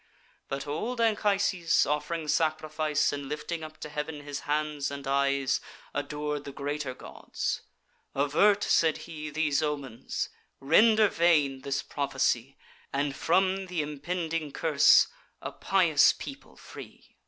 But old Anchises, off'ring sacrifice, And lifting up to heav'n his hands and eyes, Ador'd the greater gods: 'Avert,' said he, 'These omens; render vain this prophecy, And from th' impending curse a pious people free!